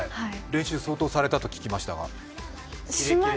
練習、相当されたと聞きましたが？